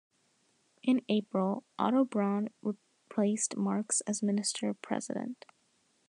In April, Otto Braun replaced Marx as Minister President.